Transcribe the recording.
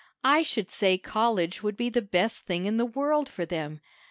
I should say college would be the best thing in the world for them.